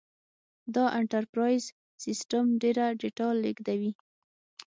دا انټرپرایز سیسټم ډېره ډیټا لېږدوي.